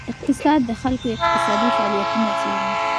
اقتصاد د خلکو اقتصادي فعالیتونه څیړي.